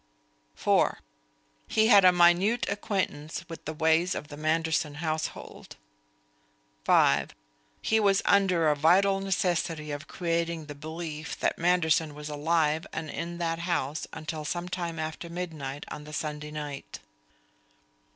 (4) He had a minute acquaintance with the ways of the Manderson household. (5) He was under a vital necessity of creating the belief that Manderson was alive and in that house until some time after midnight on the Sunday night.